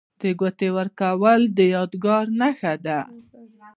د ګوتې ورکول د یادګار نښه ده.